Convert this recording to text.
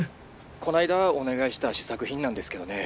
☎こないだお願いした試作品なんですけどね